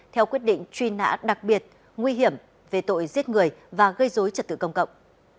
theo quyết định truy nã đặc biệt nguy hiểm về tội giết người và gây dối trật tự công cộng